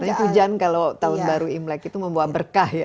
biasanya hujan kalau tahun baru imlek itu membawa berkah ya